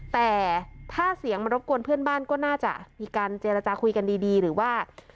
แต่ถ้าเสียงมันรบกวนเพื่อนบ้านก็น่าจะมีการเจรจาคุยกันดีหรือว่า